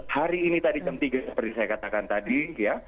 hari ini tadi jam tiga seperti saya katakan tadi ya